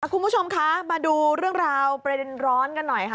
คุณผู้ชมคะมาดูเรื่องราวประเด็นร้อนกันหน่อยค่ะ